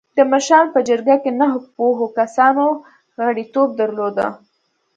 د مشرانو په جرګه کې نهه پوهو کسانو غړیتوب درلوده.